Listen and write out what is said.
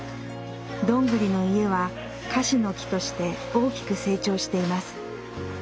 「どんぐりの家」は「樫の木」として大きく成長しています。